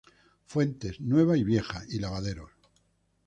Fuentes, nueva y vieja, y lavaderos.